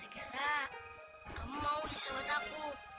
kamu mau disahabat aku